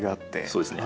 そうですね。